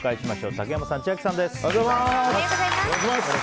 竹山さん、千秋さんです。